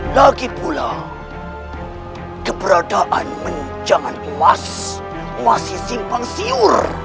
lagi pula keberadaan menjangan emas masih simpang siur